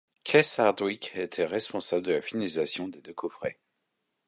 Keith Hardwick était responsable de la finalisation des deux coffrets.